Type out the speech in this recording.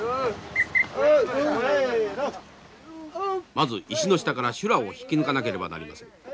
まず石の下から修羅を引き抜かなければなりません。